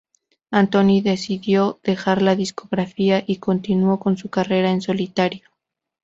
Antony decidió dejar la discográfica, y continuó con su carrera en solitario.